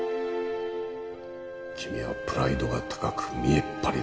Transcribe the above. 君はプライドが高く見えっ張りで頑固だ